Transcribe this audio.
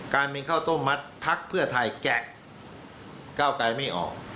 การเป็นเข้าต้มมัดภักดิ์เพื่อไทยแกะก้าวไกรไม่ออก